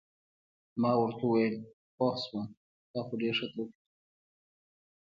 ما ورته وویل: پوه شوم، دا خو ډېر ښه توپیر دی.